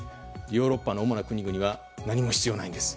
ヨーロッパの主な国々は何も必要がないんです。